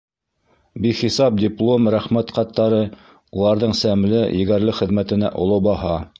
Бихисап диплом, рәхмәт хаттары — уларҙың сәмле, егәрле хеҙмәтенә оло баһа.